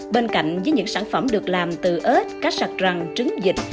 bên cạnh với những sản phẩm được làm từ ếch cá sạc răng trứng dịch